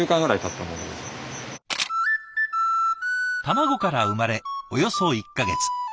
卵から生まれおよそ１か月。